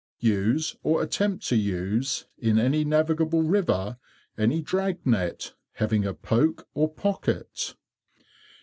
5. Use or attempt to use, in any navigable river, any Drag Net having a poke or pocket.